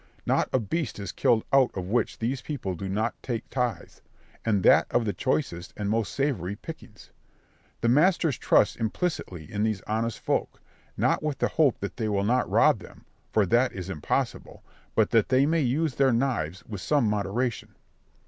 Not a beast is killed out of which these people do not take tithes, and that of the choicest and most savoury pickings. The masters trust implicitly in these honest folk, not with the hope that they will not rob them (for that is impossible), but that they may use their knives with some moderation.